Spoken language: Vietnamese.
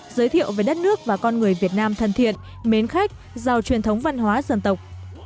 giới thiệu về đất nước và con người việt nam thân thiện mến khách giàu truyền thống văn hóa dân tộc